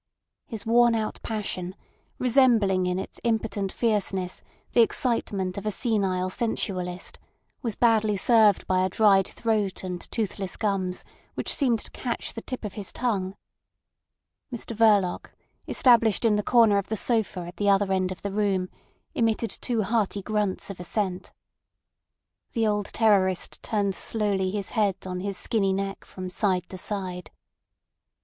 His worn out passion, resembling in its impotent fierceness the excitement of a senile sensualist, was badly served by a dried throat and toothless gums which seemed to catch the tip of his tongue. Mr Verloc, established in the corner of the sofa at the other end of the room, emitted two hearty grunts of assent. The old terrorist turned slowly his head on his skinny neck from side to side.